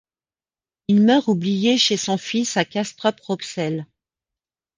Il meurt oublié chez son fils à Castrop-Rauxel.